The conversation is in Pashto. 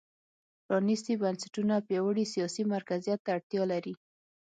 پرانېستي بنسټونه پیاوړي سیاسي مرکزیت ته اړتیا لري.